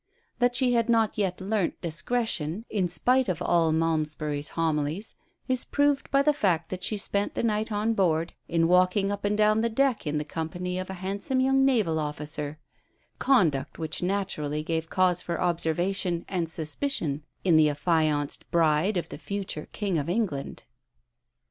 That she had not yet learnt discretion, in spite of all Malmesbury's homilies, is proved by the fact that she spent the night on board in walking up and down the deck in the company of a handsome young naval officer, conduct which naturally gave cause for observation and suspicion in the affianced bride of the future King of England.